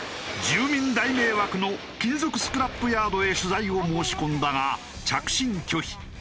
住民大迷惑の金属スクラップヤードへ取材を申し込んだが着信拒否。